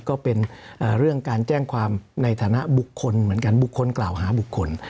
ก็เป็นเรื่องการแจ้งความในฐานะบุคคลเหมือนกันบุคคลกล่าวหาบุคคล